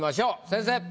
先生！